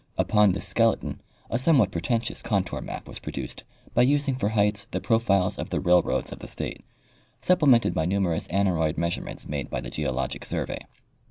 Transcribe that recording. Upon this skeleton a some what pretentious contour map was produced by using for heights the profiles of the railroads of the state, supplemented by numer ous aneroid measurements made by the geologic survey.